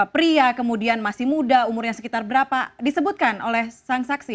pria kemudian masih muda umurnya sekitar berapa disebutkan oleh sang saksi